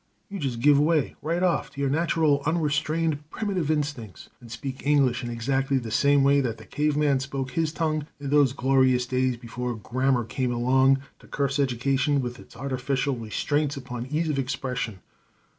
You just give way, right off, to your natural, unrestrained, primitive instincts, and speak English in exactly the same way that the caveman spoke his tongue in those glorious days before grammar came along to curse education with its artificial restraints upon ease of expression.